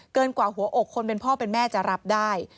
กว่าหัวอกคนเป็นพ่อเป็นแม่จะรับได้